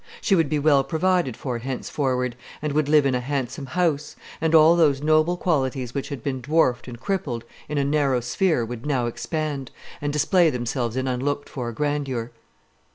She would be well provided for henceforward, and would live in a handsome house; and all those noble qualities which had been dwarfed and crippled in a narrow sphere would now expand, and display themselves in unlooked for grandeur.